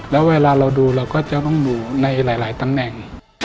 แล้วเวลาเราดูเราก็จะต้องดูในหลายตำแหน่ง